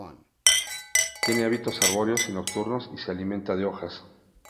Tiene hábitos arbóreos y nocturnos, y se alimenta de hojas.